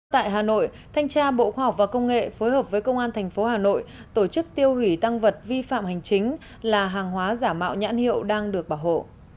tại hà nội thanh tra bộ khoa học và công nghệ phối hợp với công an thành phố hà nội tổ chức tiêu hủy tăng vật vi phạm hành chính là hàng hóa giả mạo nhãn hiệu đang được bảo hộ